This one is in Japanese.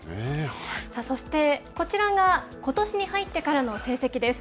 そして、こちらがことしに入ってからの成績です。